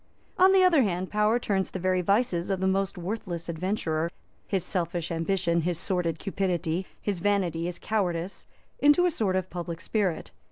On the other hand, power turns the very vices of the most worthless adventurer, his selfish ambition, his sordid cupidity, his vanity, his cowardice, into a sort of public spirit.